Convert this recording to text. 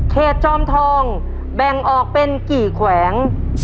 จอมทองแบ่งออกเป็นกี่แขวง